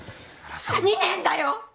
２年だよ？